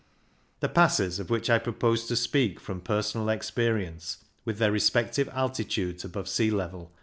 The passes of which I propose to speak from personal experience, with their respective altitudes above sea level